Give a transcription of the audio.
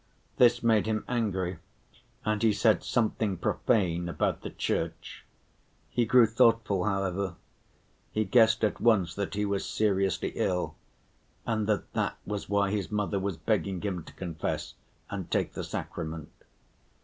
This made him angry, and he said something profane about the church. He grew thoughtful, however; he guessed at once that he was seriously ill, and that that was why his mother was begging him to confess and take the sacrament.